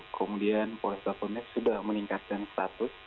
kemudian foresta pontianak sudah meningkatkan status